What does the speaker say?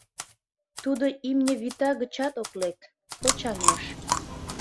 Тудо имне вӱта гычат ок лек, почаҥеш.